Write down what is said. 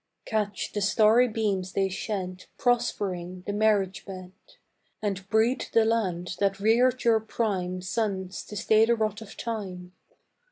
Catch the starry beams they shed Prospering the marriage bed, And breed the land that reared your prime Sons to stay the rot of time.